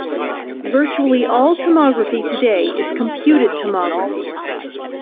Virtually all tomography today is computed tomography.